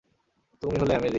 তুমি হলে অ্যামেজিং।